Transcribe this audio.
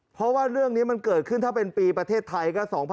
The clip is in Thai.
เพราะว่าเรื่องนี้มันเกิดขึ้นถ้าเป็นปีประเทศไทยก็๒๐๑๖